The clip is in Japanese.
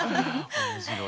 面白い。